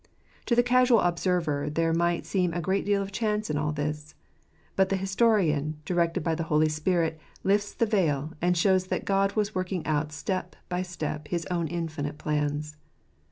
To the casual observer there might seem a great deal of chance in all this ; but the historian, directed by the Holy Spirit, lifts the veil, and shows that God was working out, step by step, His own infinite plans.